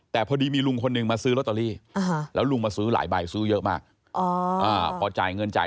แต่พอดีมีลุงคนนึงมาซื้อโรโตรีแล้วลุงมาซื้อหลายใบซื้อเยอะมาก